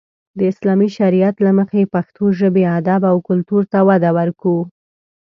د اسلامي شريعت له مخې پښتو ژبې، ادب او کلتور ته وده ورکو.